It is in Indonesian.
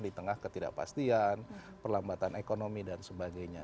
di tengah ketidakpastian perlambatan ekonomi dan sebagainya